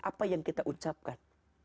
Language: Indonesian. apa yang kita ucapkan